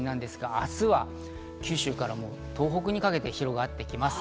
明日は九州から東北にかけて広がってきます。